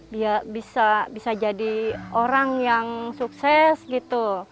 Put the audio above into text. dia bisa jadi orang yang sukses gitu